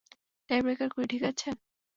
টাই breaker করি, ঠিক আছে?